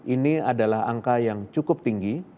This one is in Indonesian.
ini adalah angka yang cukup tinggi